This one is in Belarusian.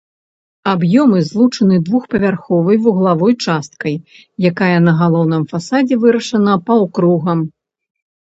Аб'ёмы злучаны двухпавярховай вуглавой часткай, якая на галоўным фасадзе вырашана паўкругам.